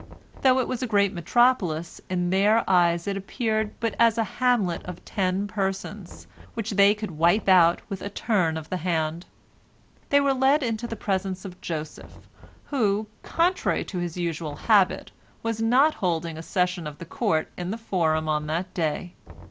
Though it was a great metropolis, in their eyes it appeared but as a hamlet of ten persons, which they could wipe out with a turn of the hand. They were led into the presence of Joseph, who, contrary to his usual habit, was not holding a session of the court in the forum on that day.